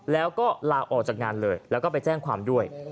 แล้วก็ลาออกจากงานเลยแล้วก็ไปแจ้งความด้วย